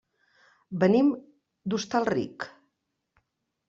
Venim de Hostalric.